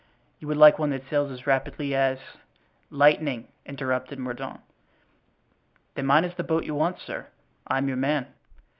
You would like one that sails as rapidly as——" "Lightning," interrupted Mordaunt. "Then mine is the boat you want, sir. I'm your man."